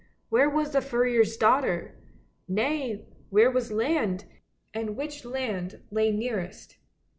Where was the furrier's daughter? Nay, where was the land, and which land lay nearest?